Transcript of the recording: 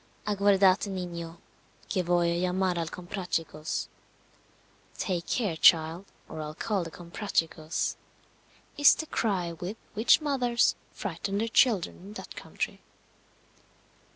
Aguardate niño, que voy a llamar al Comprachicos Take care, child, or I'll call the Comprachicos is the cry with which mothers frighten their children in that country.